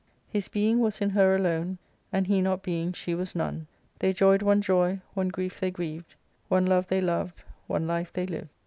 His being was in her alone ; And he not being, she was none. They joy'd one joy, one grief they griev'd, One love they lov'd, one life they liv'd.